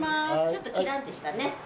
ちょっとキランってしたね。